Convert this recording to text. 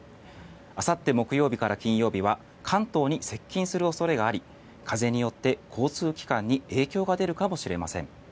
あさって木曜日から金曜日は関東に接近する恐れがあり風によって、交通機関に影響が出るかもしれません。